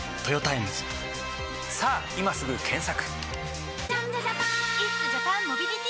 さぁ今すぐ検索！